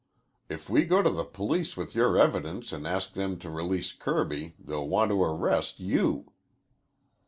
If we go to the police with your evidence and ask them to release Kirby, they'll want to arrest you."